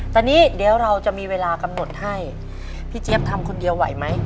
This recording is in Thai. ตอนนี้เดี๋ยวเราจะมีเวลากำหนดให้พี่เจี๊ยบทำคนเดียวไหวไหม